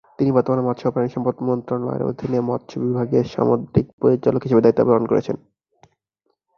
তিনি বর্তমানে মৎস্য ও প্রাণিসম্পদ মন্ত্রণালয়ের অধীনে মৎস্য বিভাগের সামুদ্রিক পরিচালক হিসাবে দায়িত্ব পালন করছেন।